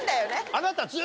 あなた。